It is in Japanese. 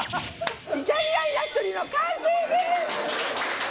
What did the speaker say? イタリアン焼き鳥の完成です！